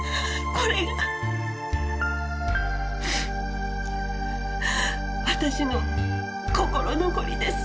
これが私の心残りです